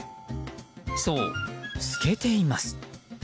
そう、透けています。